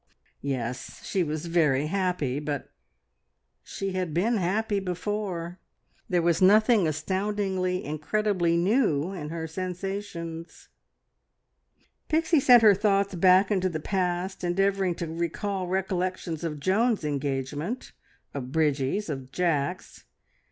... Yes, she was very happy, but ... she had been happy before, there was nothing astoundingly, incredibly new in her sensations. Pixie sent her thoughts back into the past, endeavouring to recall recollections of Joan's engagement, of Bridgie's, of Jack's.